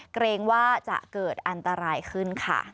เกรงว่าจะเกิดอันตรายขึ้นค่ะ